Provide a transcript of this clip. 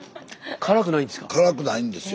辛くないんですよ